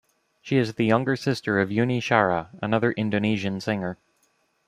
She is the younger sister of Yuni Shara, another Indonesian singer.